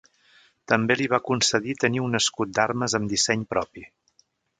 També li va concedir tenir un escut d'armes amb disseny propi.